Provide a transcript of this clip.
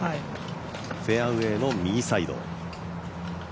フェアウエーの右サイド。